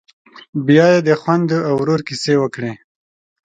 بيا یې د خپلو خويندو او ورور کيسې وکړې.